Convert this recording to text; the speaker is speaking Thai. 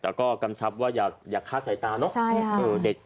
แต่ก็กำชับว่าอย่าฆ่าสายตาเนอะ